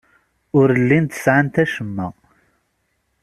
Ur llint sɛant acemma.